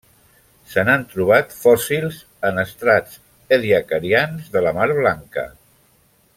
Se n'han trobat fòssils en estrats ediacarians de la mar Blanca.